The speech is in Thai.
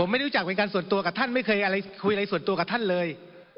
ไม่รู้จักเป็นการส่วนตัวกับท่านไม่เคยอะไรคุยอะไรส่วนตัวกับท่านเลย